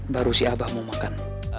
baru si abah mau makan